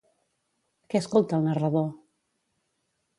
Què escolta el narrador?